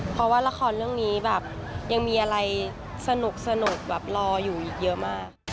เพราะว่าละครเรื่องนี้แบบยังมีอะไรสนุกแบบรออยู่อีกเยอะมาก